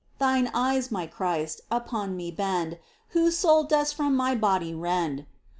Thine eyes, my Christ, upon me bend. Whose soul dost from my body rend